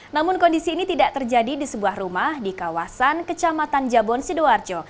namun kondisi ini tidak terjadi di sebuah rumah di kawasan kecamatan jabon sidoarjo